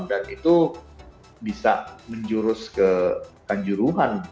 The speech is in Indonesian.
dan itu bisa menjurus kekanjuruhan